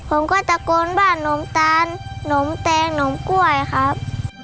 ผมก็ตะโกนว่านมตาลหนมแตงหนมกล้วยครับ